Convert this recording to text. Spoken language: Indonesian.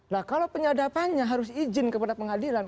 nah kalau penyadapannya harus izin kepada pengadilan